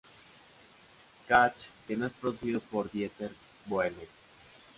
Catch que no es producido por Dieter Bohlen.